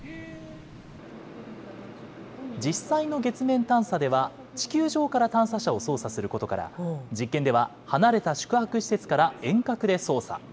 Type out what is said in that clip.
実際の月面探査では、地球上から探査車を操作することから、実験では離れた宿泊施設から遠隔で操作。